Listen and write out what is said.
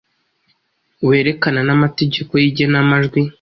werekana n’amategeko y’igenamajwi.